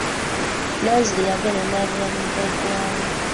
Nanziri yagenda n'abeera ne jjajja we.